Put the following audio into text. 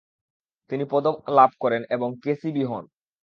তিনি পদক লাভ করেন এবং কে.সি.বি. হন।